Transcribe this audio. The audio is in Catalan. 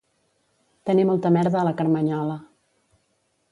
Tenir molta merda a la carmanyola